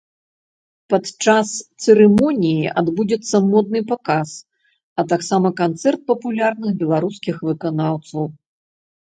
Падчас цырымоніі адбудзецца модны паказ, а таксама канцэрт папулярных беларускіх выканаўцаў.